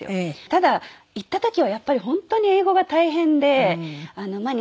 ただ行った時はやっぱり本当に英語が大変でまあ